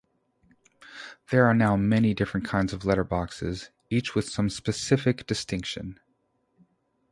There are now many different kinds of letterboxes, each with some specific distinction.